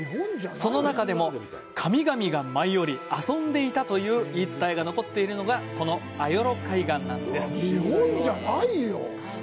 その中でも神々が舞い降り遊んでいたという言い伝えが残っているのがこのアヨロ海岸なんです。